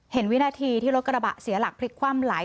วินาทีที่รถกระบะเสียหลักพลิกคว่ำไหล